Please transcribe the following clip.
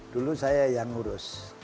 dulu saya yang urus